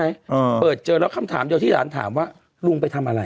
เออเปิดเจอแล้วคำถามเดียวที่หลานถามว่าลุงไปทำอะไร